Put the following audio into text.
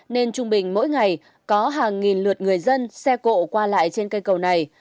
nên trung bình mỗi ngày có hàng nghìn lượt người dân xe cộ qua lại trên cây cầu này